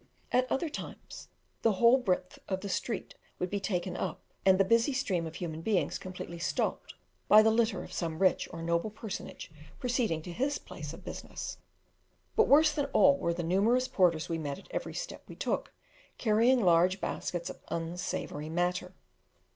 At other times, the whole breadth of the street would be taken up, and the busy stream of human beings completely stopped by the litter of some rich or noble personage proceeding to his place of business. But worse than all were the numerous porters we met at every step we took, carrying large baskets of unsavoury matter.